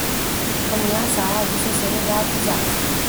Domnia sa a adus o serie de acuzații.